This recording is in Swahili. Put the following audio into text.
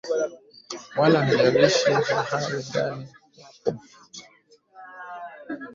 wala haijalishi mahali gani wako